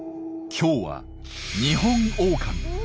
今日はニホンオオカミ。